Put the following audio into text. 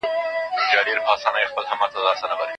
ولي مدام هڅاند د مستحق سړي په پرتله لاره اسانه کوي؟